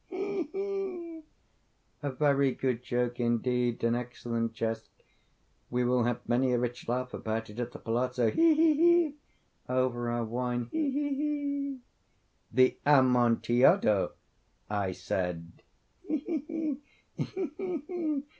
ha!—he! he!—a very good joke indeed—an excellent jest. We will have many a rich laugh about it at the palazzo—he! he! he!—over our wine—he! he! he!" "The Amontillado!" I said. "He! he! he!—he! he!